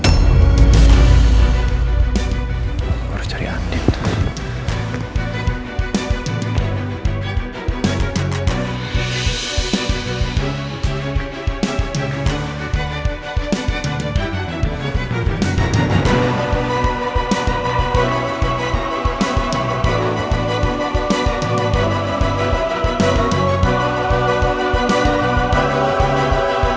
harus cari andin tuhan